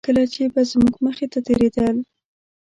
کله چې به زموږ مخې ته تېرېدل.